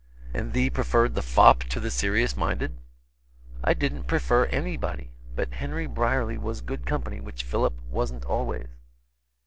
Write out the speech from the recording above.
"And thee preferred the fop to the serious minded?" "I didn't prefer anybody; but Henry Brierly was good company, which Philip wasn't always."